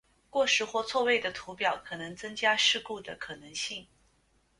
过时或错位的图表可能增加事故的可能性。